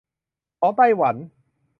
ของไต้หวัน